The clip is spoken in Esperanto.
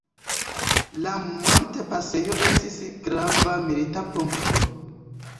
La montpasejo estis grava milita punkto.